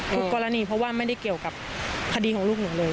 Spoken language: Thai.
กรณีเพราะว่าไม่ได้เกี่ยวกับคดีของลูกหนูเลย